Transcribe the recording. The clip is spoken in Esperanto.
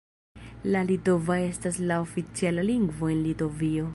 La litova estas la oficiala lingvo de Litovio.